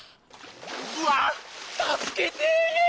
うわ助けて！